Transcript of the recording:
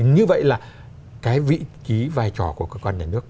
như vậy là cái vị trí vai trò của cơ quan nhà nước